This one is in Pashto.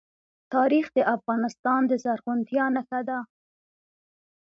تاریخ د افغانستان د زرغونتیا نښه ده.